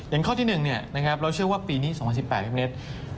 อย่างข้อที่หนึ่งเนี่ยนะครับเราเชื่อว่าปีนี้๒๐๑๘เพียงเม็ด